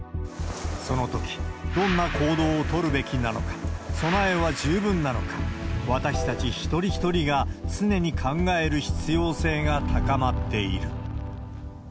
そのとき、どんな行動を取るべきなのか、備えは十分なのか、私たち一人一人が常に考える必要性が高まっている。